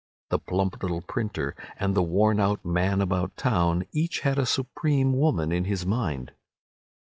The plump little printer and the worn out man about town had each a supreme woman in his mind.